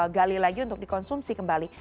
gali lagi untuk dikonsumsi kembali